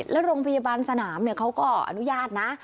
แล้วโรงพยาบาลสนามเขาก็อนุญาตนะ